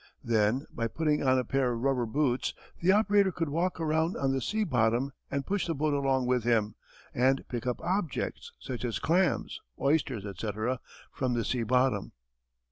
Then by putting on a pair of rubber boots the operator could walk around on the sea bottom and push the boat along with him and pick up objects, such as clams, oysters, etc. from the sea bottom.